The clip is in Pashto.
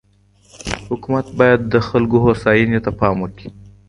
حکومت باید د خلګو هوساینې ته پام وکړي.